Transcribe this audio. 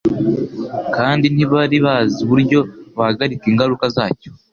kandi ntibari bazi uburyo bahagarika ingaruka zacyo.